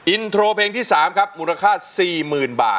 อินโทรเพลงที่๓ครับมูลค่า๔๐๐๐๐บาทมาเลยครับ